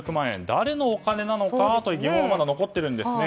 誰のお金なのかという疑問がまだ残っているんですね。